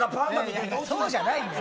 そうじゃないんだよ。